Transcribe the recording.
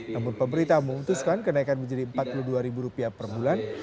namun pemerintah memutuskan kenaikan menjadi rp empat puluh dua per bulan